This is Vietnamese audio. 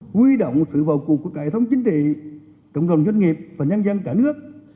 quy động sự vào cuộc của cải thống chính trị cộng đồng doanh nghiệp và nhân dân cả nước